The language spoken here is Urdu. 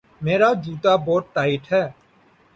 میرا جوتا بہت ٹائٹ ہے